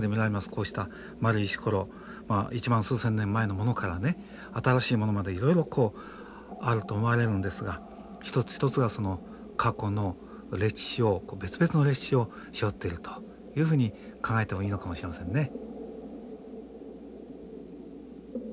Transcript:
こうした丸い石ころ１万数千年前のものから新しいものまでいろいろあると思われるんですが一つ一つが過去の歴史を別々の歴史をしょってるというふうに考えてもいいのかもしれませんね。